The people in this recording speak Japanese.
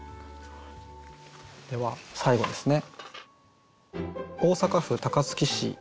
では最後ですね。